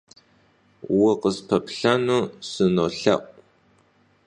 Vukhıspeplhenu sınolhe'u.